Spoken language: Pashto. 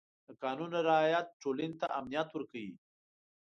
د قانون رعایت ټولنې ته امنیت ورکوي.